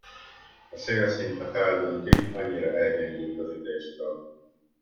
A szél szinte feldönti, annyira elgyengült az ütéstől.